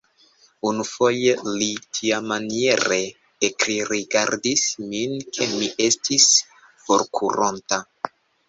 Unufoje li tiamaniere ekrigardis min, ke mi estis forkuronta.